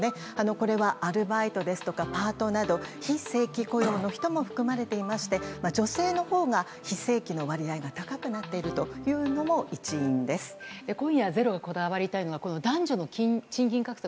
これは、アルバイトやパートなど非正規雇用の人も含まれていまして女性のほうが非正規の割合が高くなっているというのも今夜「ｚｅｒｏ」がこだわりたいのは男女の賃金格差